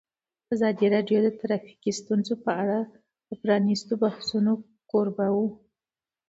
ازادي راډیو د ټرافیکي ستونزې په اړه د پرانیستو بحثونو کوربه وه.